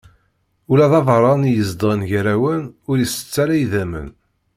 Ula d abeṛṛani izedɣen gar-awen ur itett ara idammen.